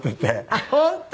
あっ本当？